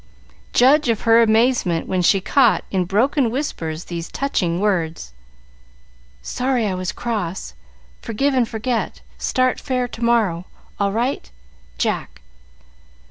Judge of her amazement when she caught in broken whispers these touching words: "Sorry I was cross. Forgive and forget. Start fair to morrow. All right. Jack."